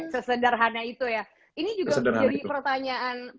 sesederhana itu ya ini juga menjadi pertanyaan